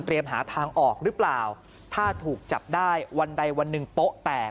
หาทางออกหรือเปล่าถ้าถูกจับได้วันใดวันหนึ่งโป๊ะแตก